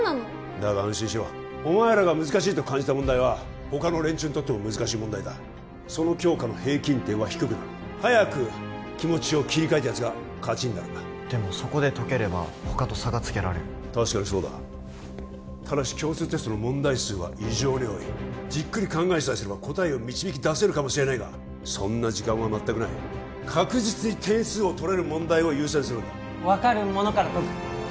だが安心しろお前らが難しいと感じた問題は他の連中にとっても難しい問題だその教科の平均点は低くなる早く気持ちを切り替えたやつが勝ちになるんだでもそこで解ければ他と差がつけられる確かにそうだただし共通テストの問題数は異常に多いじっくり考えさえすれば答えを導き出せるかもしれないがそんな時間は全くない確実に点数を取れる問題を優先するんだ分かるものから解く